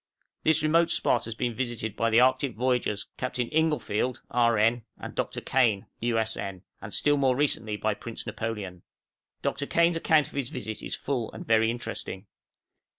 This remote spot has been visited by the Arctic voyagers, Captain Inglefield, R.N., and Dr. Kane, U.S.N., and still more recently by Prince Napoleon. Dr. Kane's account of his visit is full and very interesting.